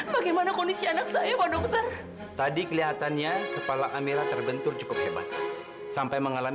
bunuh bunuh aja saya sekalian bunuh bunuh saya sekalian